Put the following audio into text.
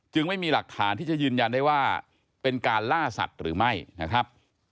ไม่มีหลักฐานที่จะยืนยันได้ว่าเป็นการล่าสัตว์หรือไม่นะครับ